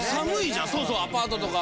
そうそうアパートとか。